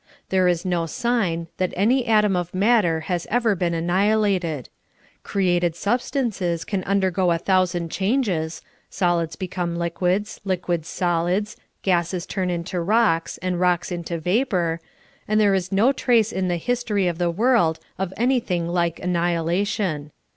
There is no sign that any atom of matter has ever been annihilated. Created substances can undergo a thou sand changes — solids become liquids, liquids solids, gases turn into rocks, and rocks into vapor — and there is no trace in the history of the world of anything like annihilation.